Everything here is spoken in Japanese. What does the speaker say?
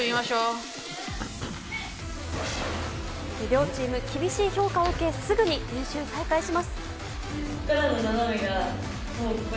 両チーム、厳しい評価を受け、すぐに練習再開します。